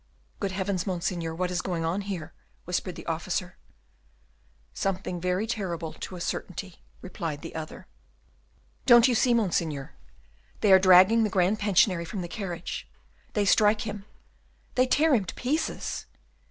"Good heavens, Monseigneur, what is going on there?" whispered the officer. "Something very terrible, to a certainty," replied the other. "Don't you see, Monseigneur, they are dragging the Grand Pensionary from the carriage, they strike him, they tear him to pieces!"